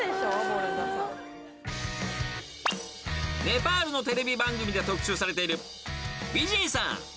［ネパールのテレビ番組で特集されている］